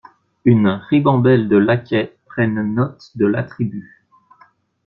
Une ribambelle de laquais prennent note de l'attribut.